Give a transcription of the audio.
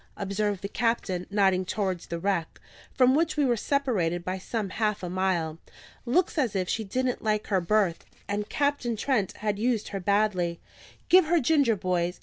observed the captain, nodding towards the wreck, from which we were separated by some half a mile. "Looks as if she didn't like her berth, and Captain Trent had used her badly. Give her ginger, boys!"